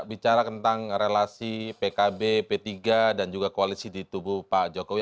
bicara tentang relasi pkb p tiga dan juga koalisi di tubuh pak jokowi